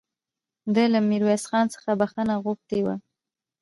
ده له ميرويس خان څخه بخښنه غوښتې وه